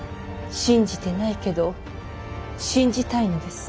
信じてないけど信じたいのです。